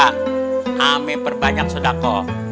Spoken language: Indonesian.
aamiin perbanyak sodako